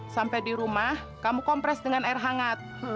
sampai di rumah kamu kompres dengan air hangat